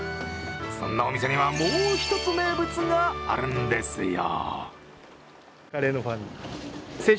そんなお店には、もう一つ名物があるんですよ。